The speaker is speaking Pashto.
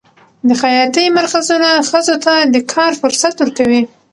د خیاطۍ مرکزونه ښځو ته د کار فرصت ورکوي.